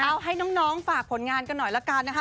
เอาให้น้องฝากผลงานกันหน่อยละกันนะคะ